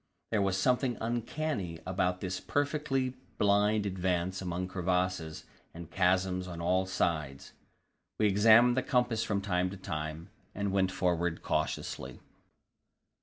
There was something uncanny about this perfectly blind advance among crevasses and chasms on all sides. We examined the compass from time to time, and went forward cautiously.